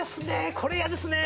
これ嫌ですね！